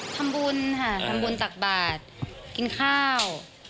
ทำบุญค่ะทำบุญตักบาทกินข้าว